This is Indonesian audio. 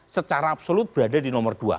secara absolut berada di nomor dua